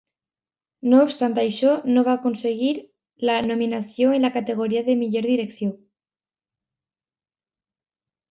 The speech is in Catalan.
No obstant això, no va aconseguir la nominació en la categoria de millor direcció.